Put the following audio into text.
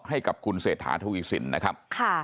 ให้กับคุณเศรษฐานธุกิษรินครับ